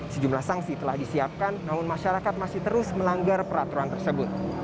sejumlah sanksi telah disiapkan namun masyarakat masih terus melanggar peraturan tersebut